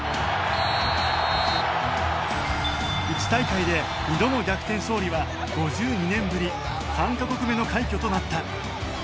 １大会で２度の逆転勝利は５２年ぶり３カ国目の快挙となった。